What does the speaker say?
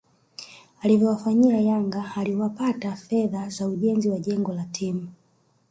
alivyowafanyia yangaaliwapata fedha za ujenzi wa jengo la timu